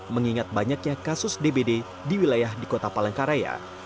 mengingat banyaknya kasus dbd di wilayah di kota palangkaraya